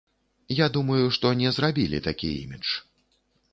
Я думаю, што не зрабілі такі імідж.